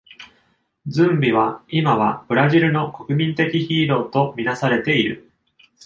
ズンビは今はブラジルの国民的ヒーローとみなされている。